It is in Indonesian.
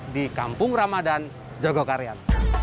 di kampung ramadan jogokaryan